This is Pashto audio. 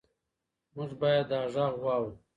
موږ باید دا غږ واورو.